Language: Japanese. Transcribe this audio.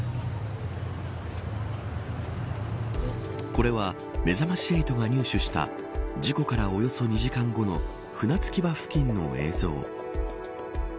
これは、めざまし８が入手した事故から、およそ２時間後の船着き場付近の映像。